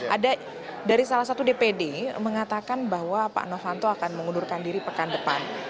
ada dari salah satu dpd mengatakan bahwa pak novanto akan mengundurkan diri pekan depan